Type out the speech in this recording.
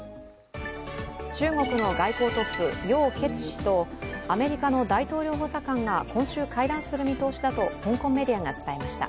中国の外交トップ楊潔チ氏とアメリカの大統領補佐官が今週、会談する見通しだと香港メディアが伝えました。